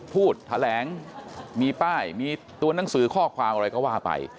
พูดแถลงมีป้ายมีตัวหนังสือข้อความอะไรก็ว่าไป